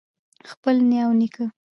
خپل نیا او نیکه